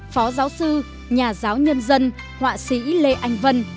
phó giáo sư nhà giáo nhân dân họa sĩ lê anh vân